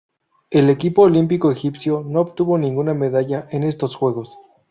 El equipo olímpico egipcio no obtuvo ninguna medalla en estos Juegos.